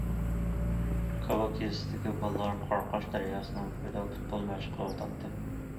كاۋاك يېزىسىدىكى بالىلار قاراقاش دەرياسىنىڭ بويىدا پۇتبول مەشىق قىلىۋاتاتتى.